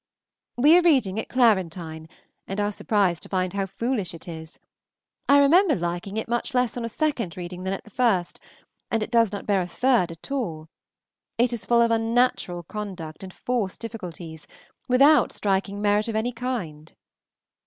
We are reading "Clarentine," and are surprised to find how foolish it is. I remember liking it much less on a second reading than at the first, and it does not bear a third at all. It is full of unnatural conduct and forced difficulties, without striking merit of any kind.